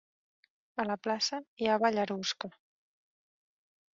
A la plaça hi ha ballarusca.